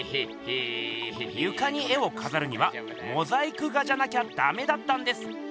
ゆかに絵をかざるにはモザイク画じゃなきゃだめだったんです。